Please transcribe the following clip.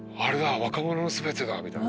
『若者のすべて』だみたいな。